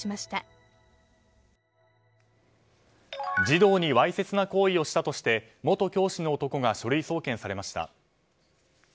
児童にわいせつな行為をしたとして元教師の男が書類送検されました。